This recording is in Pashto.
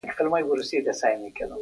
هندوانه د ورزشکارانو لپاره ښه انتخاب دی.